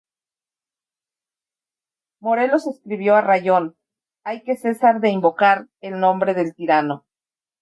Morelos escribió a Rayón: "hay que cesar de invocar el nombre del tirano".